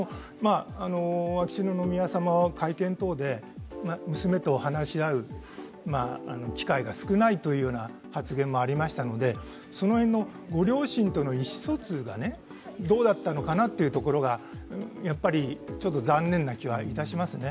秋篠宮さまは会見等で娘と話し合う機会が少ないというような発言もありましたのでその辺のご両親との意思疎通がどうだったのかなというところがやっぱり残念な気はいたしますね。